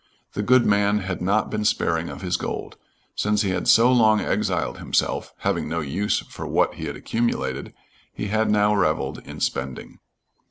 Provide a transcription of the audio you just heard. The good man had not been sparing of his gold. Since he had so long exiled himself, having no use for what he had accumulated, he had now reveled in spending.